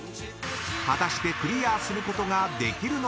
［果たしてクリアすることができるのか？］